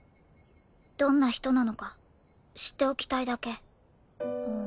どんな人なのか知っておきたいだけ。